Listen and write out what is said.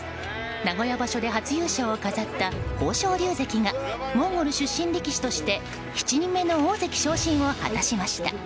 名古屋場所で初優勝を飾った豊昇龍関がモンゴル出身力士として７人目の大関昇進を果たしました。